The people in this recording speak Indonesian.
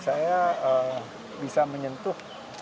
saya bisa menyentuh